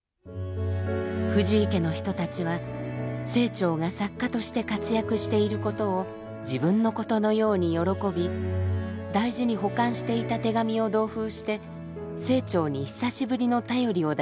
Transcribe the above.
藤井家の人たちは清張が作家として活躍していることを自分のことのように喜び大事に保管していた手紙を同封して清張に久しぶりの便りを出します。